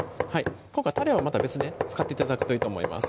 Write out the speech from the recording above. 今回たれはまた別で使って頂くといいと思います